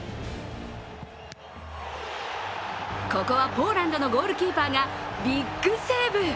ここはポーランドのゴールキーパーがビッグセーブ。